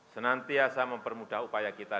senantiasa mempermudah upaya kita